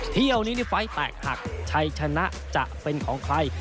เที่ยวนี้นี่ไฟล์แตกหักชัยชนะจะเป็นของใคร